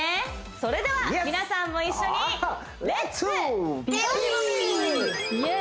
それでは皆さんも一緒にイエーイ